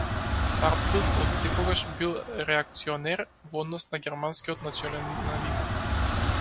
Хартфилд отсекогаш бил реакционер во однос на германскиот национализам.